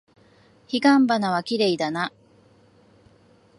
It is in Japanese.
彼岸花はきれいだな。